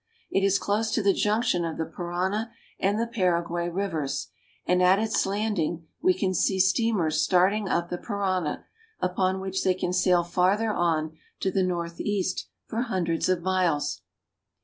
It is close to the junction of the Parana and the Paraguay rivers, and at its landing we see steamers starting up the Parana, upon which they can sail farther on to the north east for hundreds of miles.